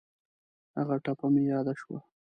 هغه ټپه مې یاد شوه.